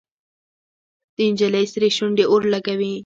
د نجلۍ سرې شونډې اور لګوي.